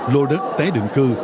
một lô đất tái định cư